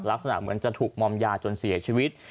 ลักษณะเหมือนจะถูกมอมยาจนเสียชีวิต